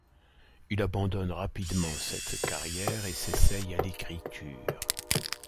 Il abandonne rapidement cette carrière et s'essaye à l'écriture.